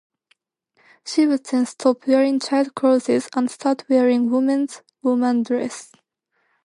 She would then stop wearing child's clothes and start wearing women's Roman Dress.